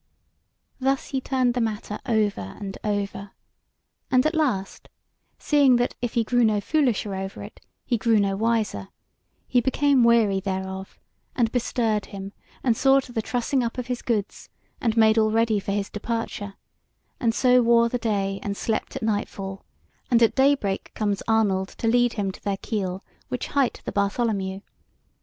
Thus he turned the matter over and over; and at last, seeing that if he grew no foolisher over it, he grew no wiser, he became weary thereof, and bestirred him, and saw to the trussing up of his goods, and made all ready for his departure, and so wore the day and slept at nightfall; and at daybreak comes Arnold to lead him to their keel, which hight the Bartholomew.